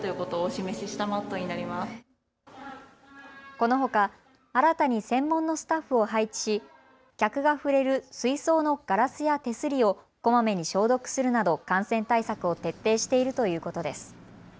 このほか新たに専門のスタッフを配置し、客が触れる水槽のガラスや手すりをこまめに消毒するなど感染対策を徹底しているということです。